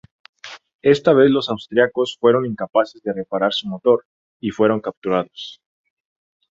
Esta vez los austriacos fueron incapaces de reparar su motor y fueron capturados.